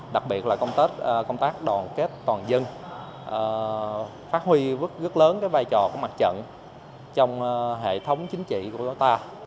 đặc biệt là công tác đoàn kết toàn dân phát huy rất lớn vai trò của mặt trận trong hệ thống chính trị của chúng ta